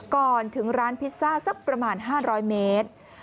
ก่อนถึงร้านพิซซ่าสักประมาณ๕๐๐เมตร